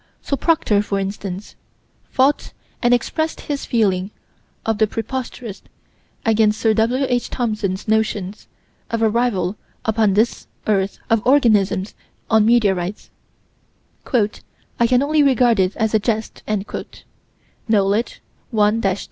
So Proctor, for instance, fought and expressed his feeling of the preposterous, against Sir W.H. Thomson's notions of arrival upon this earth of organisms on meteorites "I can only regard it as a jest" (Knowledge, 1 302).